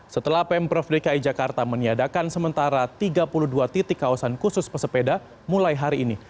setelah pemprov dki jakarta meniadakan sementara tiga puluh dua titik kawasan khusus pesepeda mulai hari ini